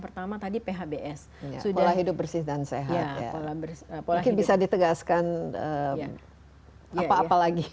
pakai sabun atau pakai